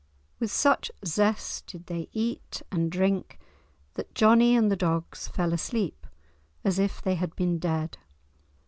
With such zest did they eat and drink that Johnie and the dogs fell asleep, as if they had been dead.